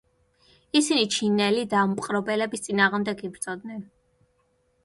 ისინი ჩინელი დამპყრობლების წინააღმდეგ იბრძოდნენ.